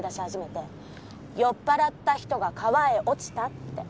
酔っ払った人が川へ落ちたって。